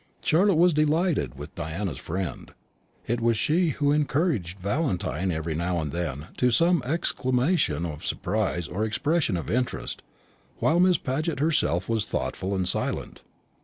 Charlotte was delighted with Diana's friend. It was she who encouraged Valentine every now and then by some exclamation of surprise or expression of interest, while Miss Paget herself was thoughtful and silent.